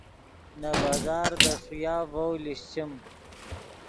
نے بازار دے ݰویا ڤؤ لیشچیم